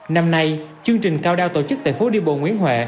năm nay chương trình cao đao tổ chức tại phố đi bộ nguyễn huệ